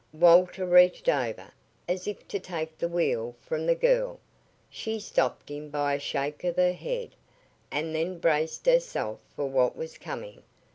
Walter reached over, as if to take the wheel from the girl. She stopped him by a shake of her head, and then braced herself for what was coming.